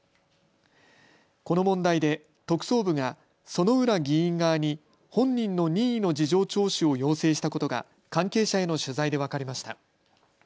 この問題で特捜部が薗浦議員側に本人の任意の事情聴取を要請したことが関係者への取材で分かりました。